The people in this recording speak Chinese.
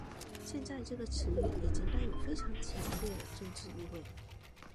现在这个词语已经带有强烈的政治意味。